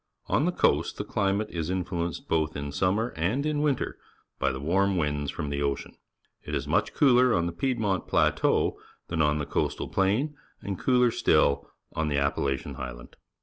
Onthe coast the climate is influenced both in summer and in winter by the warm winds from the ocean. It is much cooler on the A Model Orange Orchard, near Tampa, 1 Piedmont Plateau than on the coastal plain, and cooler still on the Appalachian Highland.